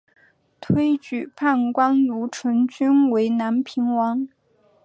推举判官卢成均为南平王。